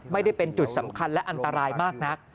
ไม่ได้เป็นจุดสำคัญและอันตรายมากนัก